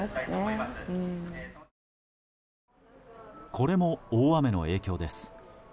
これも大雨の影響です。